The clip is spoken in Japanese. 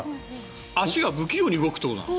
足が不器用に動くってことなの？